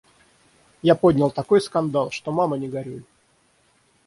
Я поднял такой скандал, что мама не горюй!